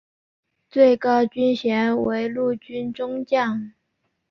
最高军衔为陆军中将。